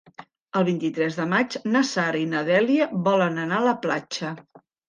El vint-i-tres de maig na Sara i na Dèlia volen anar a la platja.